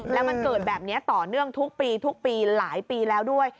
แล้วมันเกิดแบบนี้ต่อเนื่องทุกปีทุกปีหลายปีแล้วด้วย